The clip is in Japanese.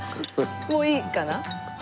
もういいかな？